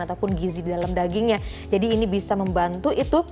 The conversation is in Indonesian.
ataupun gizi didalam dagingen jadi ini bisa membantu itu